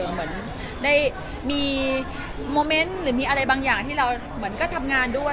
เหมือนได้มีโมเมนต์หรือมีอะไรบางอย่างที่เราเหมือนก็ทำงานด้วย